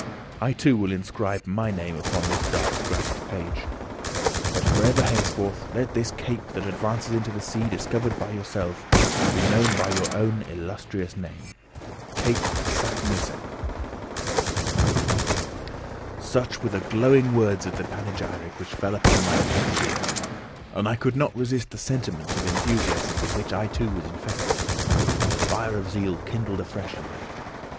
I too will inscribe my name upon this dark granite page. But for ever henceforth let this cape that advances into the sea discovered by yourself be known by your own illustrious name Cape Saknussemm." Such were the glowing words of panegyric which fell upon my attentive ear, and I could not resist the sentiment of enthusiasm with which I too was infected. The fire of zeal kindled afresh in me.